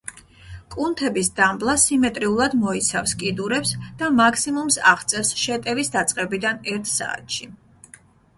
კუნთების დამბლა სიმეტრიულად მოიცავს კიდურებს და მაქსიმუმს აღწევს შეტევის დაწყებიდან ერთ საათში.